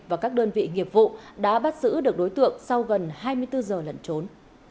và các đơn vị nghiệp vụ đã bắt giữ được đối tượng sau gần hai mươi bốn giờ lẩn trốn